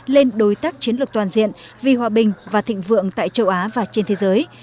lên đối tác chiến lược toàn diện vì hòa bình và thịnh vượng tại châu á và trên thế giới